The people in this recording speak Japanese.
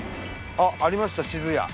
あっありました「志津屋」。